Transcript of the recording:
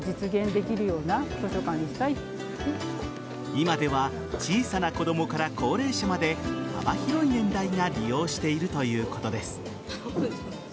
今では小さな子供から高齢者まで幅広い年代が利用しているということです。